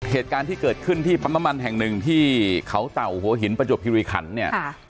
เหตุการณ์ที่เกิดขึ้นที่ปั๊มน้ำมันแห่งหนึ่งที่เขาเต่าหัวหินประจวบคิริขันเนี่ย